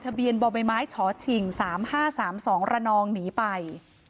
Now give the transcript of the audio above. ทะเบียนบ่ไบไม้ฉอถิ่งสามห้าสามสองระนองหนีไป